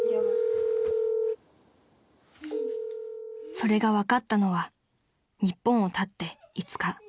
［それが分かったのは日本をたって５日］